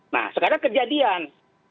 nah sekarang kejadian